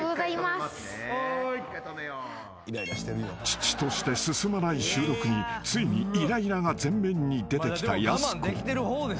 ［遅々として進まない収録についにいらいらが前面に出てきたやす子］